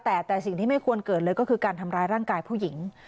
แต่แต่สิ่งที่ไม่ควรเกิดเลยก็คือการทำร้ายร่างกายผู้หญิง